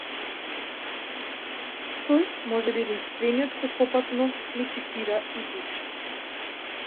Тој е можеби единствениот кој попатно лицитира и душа.